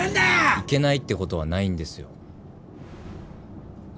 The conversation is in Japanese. いけないってことはないんですよ。